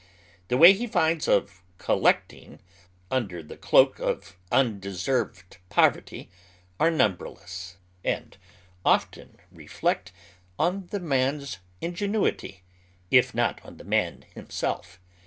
The ways he finds of " eoJlecting " under the cloak of unde served poverty are numberless, and often reflect credit on the man's ingenuity, if not on the man himself.